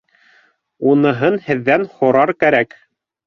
Уныһын һеҙҙән һорар кәрәк!